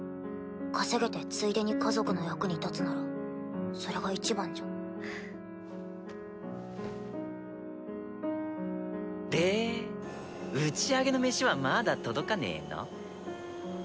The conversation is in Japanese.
稼げてついでに家族の役に立つならそれがいちばんじゃん。で打ち上げの飯はまだ届かねぇの？